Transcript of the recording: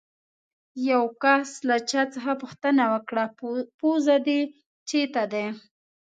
له یو کس چا پوښتنه وکړه: پوزه دې چیتې ده؟